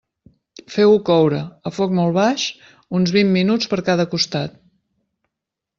Feu-ho coure, a foc molt baix, uns vint minuts per cada costat.